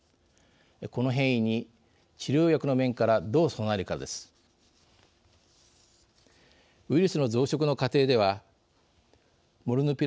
この変異に、治療薬の面からどう備えるかです。